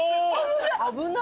危ない！